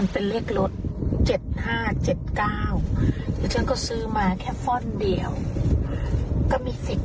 น่าจะรอยนิด